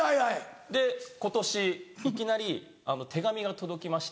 で今年いきなり手紙が届きまして。